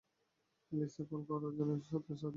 Lisa, call করার জন্য সত্যিই সরি।